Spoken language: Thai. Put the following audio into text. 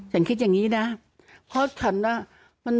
ฉันคิดอย่างนี้นะเพราะฉันว่า